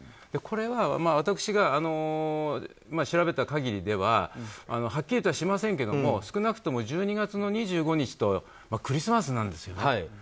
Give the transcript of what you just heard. これは私が調べた限りでははっきりとはしませんが少なくとも１２月２５日とクリスマスなんですよね。